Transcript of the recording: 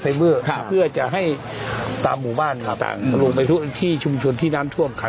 ค่ะเพื่อจะให้ตามหมู่บ้านมาต่างเรื่องไปทุกอย่างที่ชุดที่น้ำทั่วขัน